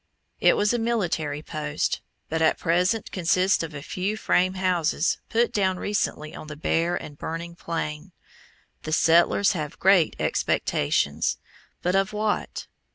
It was a military post, but at present consists of a few frame houses put down recently on the bare and burning plain. The settlers have "great expectations," but of what?